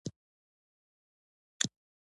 غوږونه د زړونو حال اوري